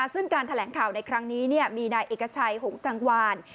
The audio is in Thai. ซึ่งการแถลงข่าวในครั้งนี้มีนายเอกชัยหงกังวาน